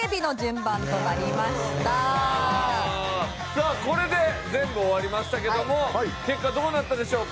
さあこれで全部終わりましたけども結果どうなったでしょうか？